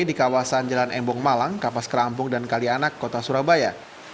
di kawasan jalan embong malang kapas kerampung dan kalianak kota surabaya